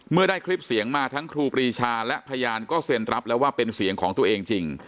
เมื่อได้คลิปเสียงมาทั้งครูปรีชาและพยานก็เซ็นรับแล้วว่าเป็นเสียงของตัวเองจริง